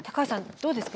どうですか？